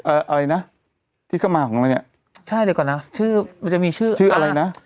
อะไรนะที่เข้ามาของเราเนี้ยใช่เดี๋ยวก่อนนะชื่อมันจะมีชื่อชื่ออะไรนะ